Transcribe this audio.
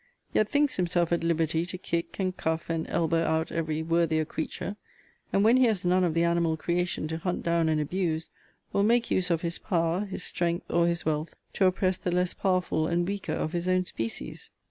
Yet thinks himself at liberty to kick, and cuff, and elbow out every worthier creature: and when he has none of the animal creation to hunt down and abuse, will make use of his power, his strength, or his wealth, to oppress the less powerful and weaker of his own species!